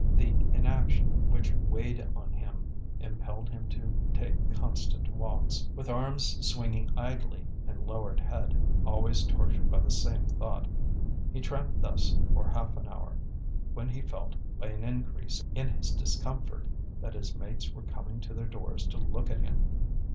The inaction which weighed on him impelled him to take constant walks, with arms swinging idly and lowered head, always tortured by the same thought. He tramped thus for half an hour, when he felt, by an increase in his discomfort, that his mates were coming to their doors to look at him.